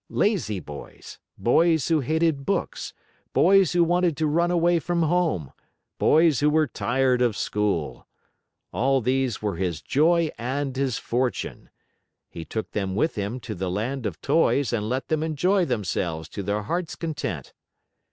Lazy boys, boys who hated books, boys who wanted to run away from home, boys who were tired of school all these were his joy and his fortune. He took them with him to the Land of Toys and let them enjoy themselves to their heart's content.